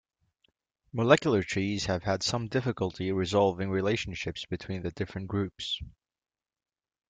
Molecular trees have had some difficulty resolving relationships between the different groups.